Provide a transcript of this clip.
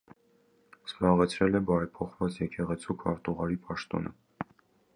Զբաղեցրել է բարեփոխված եկեղեցու քարտուղարի պաշտոնը։